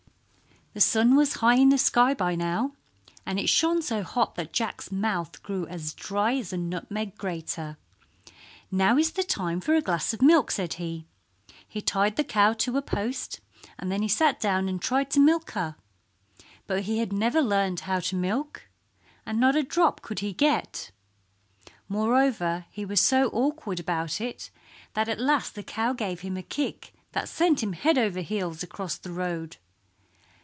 The sun was high in the sky by now, and it shone so hot that Jack's mouth grew as dry as a nutmeg grater. "Now is the time for a glass of milk," said he. He tied the cow to a post, and then he sat down and tried to milk her; but he had never learned how to milk, and not a drop could he get. Moreover he was so awkward about it that at last the cow gave him a kick that sent him head over heels across the road.